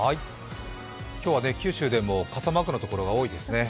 今日は九州でも傘マークのところが多いですね。